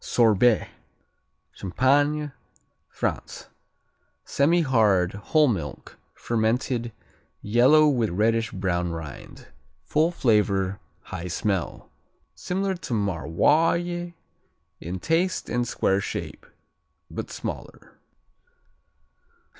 Sorbais Champagne, France Semihard; whole milk; fermented; yellow, with reddish brown rind. Full flavor, high smell. Similar to Maroilles in taste and square shape, but smaller.